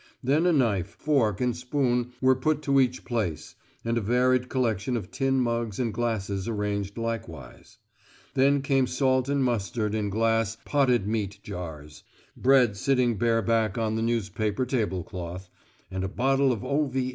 Then a knife, fork, and spoon were put to each place, and a varied collection of tin mugs and glasses arranged likewise; then came salt and mustard in glass potted meat jars; bread sitting bareback on the newspaper tablecloth; and a bottle of O.V.